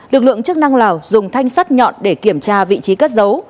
lực lượng chức năng lào dùng thanh sắt nhọn để kiểm tra vị trí cất dấu